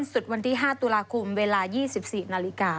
สุดวันที่๕ตุลาคมเวลา๒๔นาฬิกา